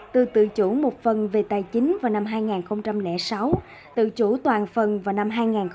từ tự chủ một phần về tài chính vào năm hai nghìn sáu tự chủ toàn phần vào năm hai nghìn một mươi